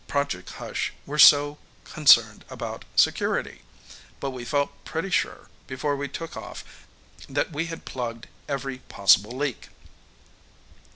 Project Hush were so concerned about security. But we felt pretty sure, before we took off, that we had plugged every possible leak.